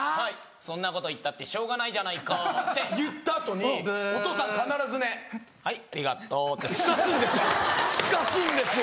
「そんなこと言ったってしょうがないじゃないか」って言った後にお父さん必ずね「はいありがとう」ってすかすんですすかすんですよ！